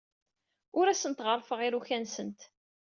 Ur asent-ɣerrfeɣ iruka-nsent.